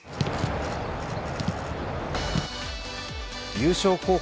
優勝候補